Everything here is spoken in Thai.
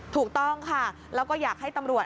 ถูกต้องค่ะแล้วก็อยากให้ตำรวจ